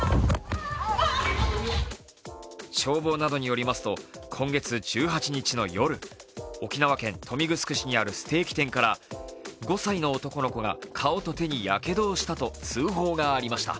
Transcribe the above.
消防などによりますと今月１８日の夜、沖縄県豊見城市にあるステーキ店から５歳の男の子が顔と手にやけどをしたと通報がありました。